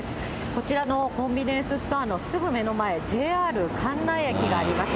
こちらのコンビニエンスストアのすぐ目の前、ＪＲ関内駅があります。